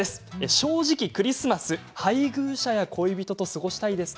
正直、クリスマス配偶者、恋人と過ごしたいですか？